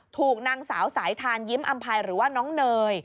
ถูกนางสาวสายทานยิ้มอำภัยหรือว่าน้องเนย